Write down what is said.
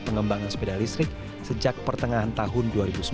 pengembangan sepeda listrik sejak pertengahan tahun dua ribu sembilan belas